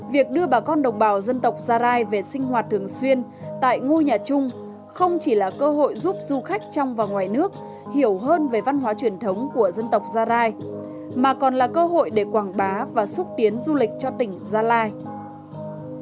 việc đưa bà con đồng bào dân tộc gia rai về sinh hoạt thường xuyên tại ngôi nhà chung không chỉ là cơ hội giúp du khách trong và ngoài nước hiểu hơn về văn hóa truyền thống của dân tộc gia rai mà còn là cơ hội để quảng bá và xúc tiến du lịch cho tỉnh gia lai